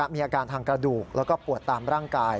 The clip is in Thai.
มีอาการทางกระดูกแล้วก็ปวดตามร่างกาย